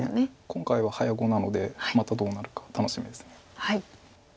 今回は早碁なのでまたどうなるか楽しみです。